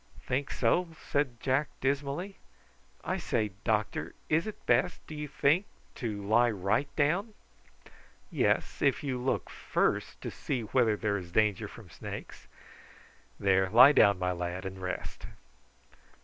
"Think so?" said Jack dismally. "I say, doctor, is it best, do you think, to lie right down?" "Yes, if you look first to see whether there is danger from snakes. There, lie down, my lad, and rest."